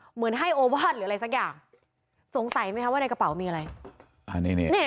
เหมือนให้โอวาสหรืออะไรสักอย่างสงสัยไหมคะว่าในกระเป๋ามีอะไร